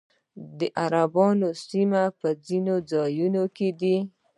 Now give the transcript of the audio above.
د عربانو سیمې په ځینو ځایونو کې دي